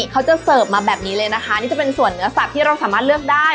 เขาจะเสิร์ฟมาแบบนี้เลยนะคะนี่จะเป็นส่วนเนื้อสัตว์ที่เราสามารถเลือกได้